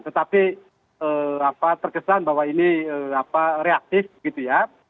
tetapi terkesan bahwa ini reaktif gitu ya